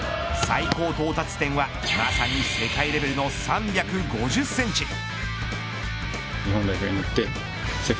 最高到達点はまさに世界レベルの３５０センチ。